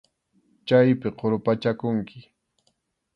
Chaypi qurpachakunki.